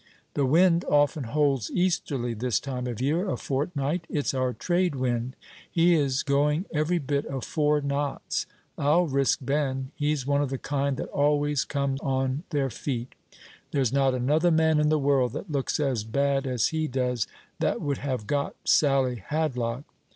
The wind often holds easterly, this time of year, a fortnight; it's our trade wind; he is going every bit of four knots. I'll risk Ben; he's one of the kind that always come on their feet. There's not another man in the world that looks as bad as he does, that would have got Sally Hadlock.